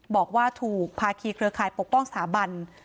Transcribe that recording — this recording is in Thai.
บอกว่าถูกภาคีเครือข่ายปกป้องสถาบัน